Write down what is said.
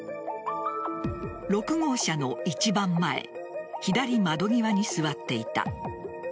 ６号車の一番前左窓際に座っていた。